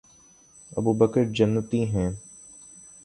ابوبکر جنتی ہیں